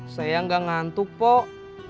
saya gak ngantuk pok